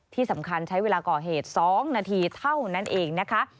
ที่สำคัญใช้เวลาก่อเหตุ๒นาทีเท่านั้นเองนะคะ